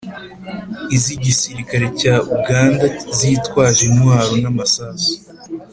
iz'igisirikari cya uganda, zitwaje intwaro n'amasasu